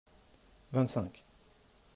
vingt cinq.